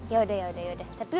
yaudah yaudah yaudah